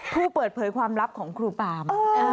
ผู้เปิดเผยความลับของครูปาม